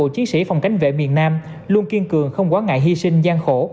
chiến sĩ phòng cảnh vệ miền nam luôn kiên cường không quá ngại hy sinh gian khổ